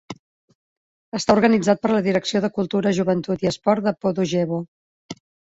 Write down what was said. Està organitzat per la Direcció de Cultura, Joventut i Esport de Podujevo.